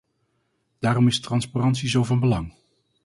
Daarom is transparantie zo van belang.